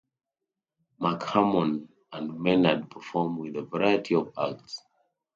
McMahon and Menard perform with a variety of acts.